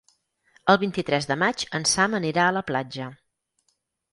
El vint-i-tres de maig en Sam anirà a la platja.